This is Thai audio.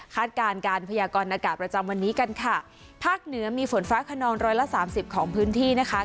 การการพยากรณากาศประจำวันนี้กันค่ะภาคเหนือมีฝนฟ้าขนองร้อยละสามสิบของพื้นที่นะคะ